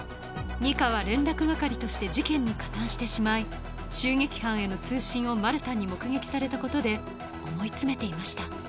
ニカは連絡係として事件に加担してしまい襲撃犯への通信をマルタンに目撃されたことで思い詰めていました